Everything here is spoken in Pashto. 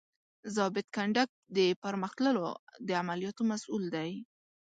ضابط کنډک د پرمخ تللو د عملیاتو مسؤول دی.